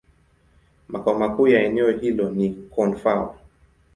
Makao makuu ya eneo hilo ni Koun-Fao.